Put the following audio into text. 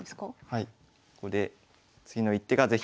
はい。